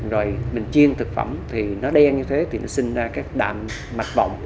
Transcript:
rồi mình chiên thực phẩm thì nó đen như thế thì nó sinh ra các đạn mạch bọng